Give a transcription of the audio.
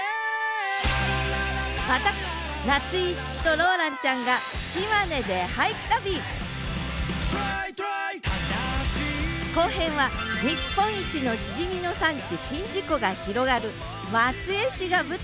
私夏井いつきとローランちゃんが後編は日本一のシジミの産地宍道湖が広がる松江市が舞台！